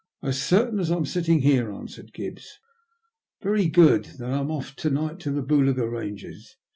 " As certain as I'm sitting here," answered Gibbs. '' Very good ; then I'm ofif to night for the Boolga Ranges.